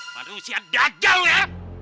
malu siada jauh ya